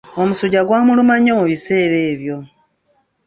Omusujja gwamuluma nnyo mu biseera ebyo.